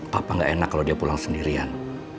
papa gak enak kalau dia pulang sendirian